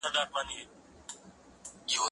زه به بوټونه پاک کړي وي؟